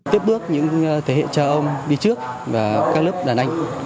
tiếp bước những thế hệ cha ông đi trước và các lớp đàn anh